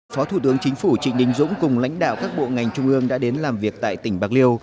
phó thủ tướng chính phủ trịnh đình dũng cùng lãnh đạo các bộ ngành trung ương đã đến làm việc tại tỉnh bạc liêu